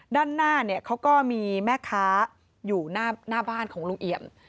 ด้านหน้าเนี่ยเขาก็มีแม่ค้าอยู่หน้าบ้านของลุงเอี่ยม